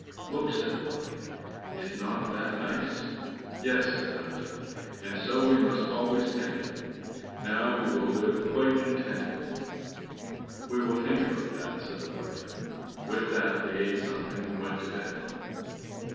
"Look," said the wife, "is not that nice!" "Yes," said the husband, "and so we must always think it,—now we will live quite contented." "We will think about that," said the wife. With that they ate something and went to bed.